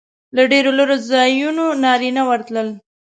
له ډېرو لرې ځایونو نارینه ورتلل.